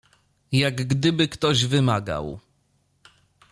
Jak gdyby ktoś wymagał…